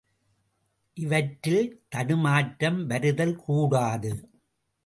இவற்றில் தடுமாற்றம் வருதல் கூடாது.